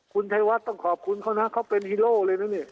คุณชัยวัดต้องขอบคุณเขานะเขาเป็นฮีโร่เลยนะเนี่ย